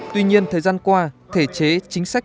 tuy nhiên thời gian qua thể chế chính sách